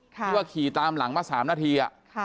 ที่ว่าขี่ตามหลังมา๓นาที